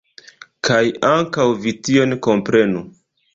Kaj ankaŭ vi tion komprenu.